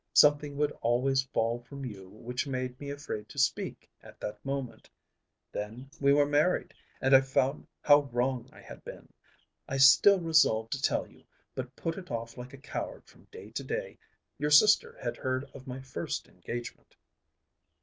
Something would always fall from you which made me afraid to speak at that moment. Then we were married, and I found how wrong I had been. I still resolved to tell you, but put it off like a coward from day to day. Your sister had heard of my first engagement."